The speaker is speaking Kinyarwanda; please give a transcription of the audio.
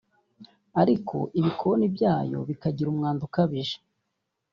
ariko ibikoni byayo bikagira umwanda ukabije